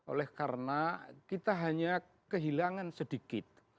oleh karena kita hanya kehilangan sedikit